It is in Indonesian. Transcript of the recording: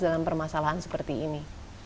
dalam permasalahan seperti ini